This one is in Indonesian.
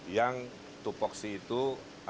yang tupoksi itu ada